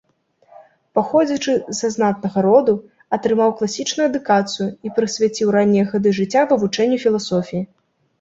Паходзячы са знатнага роду, атрымаў класічную адукацыю і прысвяціў раннія гады жыцця вывучэнню філасофіі.